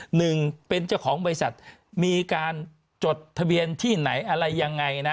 หนึ่งเป็นเจ้าของบริษัทมีการจดทะเบียนที่ไหนอะไรยังไงนะ